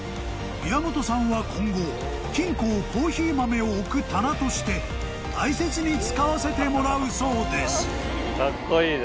［宮本さんは今後金庫をコーヒー豆を置く棚として大切に使わせてもらうそうです］